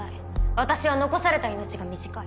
私は残された命が短い。